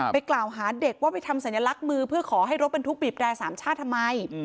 ไปกล่าวหาเด็กว่าไปทำสัญลักษณ์มือเพื่อขอให้รถบรรทุกบีบแร่สามชาติทำไม